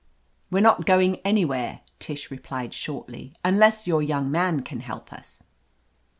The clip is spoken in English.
"We are not going anywhere," Tish replied shortly, "unless your young man can help us."